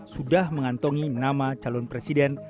sudah mengantongi nama calon presiden